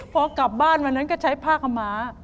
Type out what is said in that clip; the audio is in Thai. พอกลับบ้านวันนั้นก็ใช้ผ้าขมา